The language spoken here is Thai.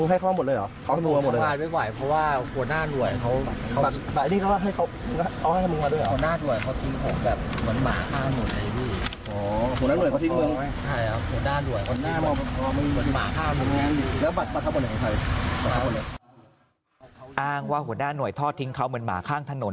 อ้างหัวหน้าหน่วยทอดทิ้งเขาเหมือนหมาข้างถนน